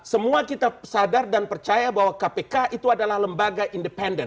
semua kita sadar dan percaya bahwa kpk itu adalah lembaga independen